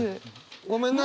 ごめんな。